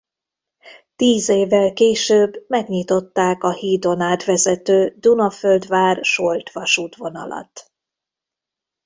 Tíz évvel később megnyitották a hídon át vezető Dunaföldvár–Solt-vasútvonalat.